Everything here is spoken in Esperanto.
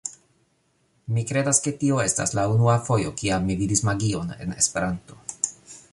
Mi kredas, ke tio estas la unua fojo, kiam mi vidis magion en Esperanto